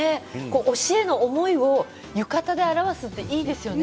推しへの思いを浴衣で表すっていいですよね。